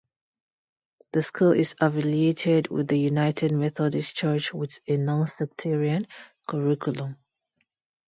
The school is affiliated with the United Methodist Church with a nonsectarian curriculum.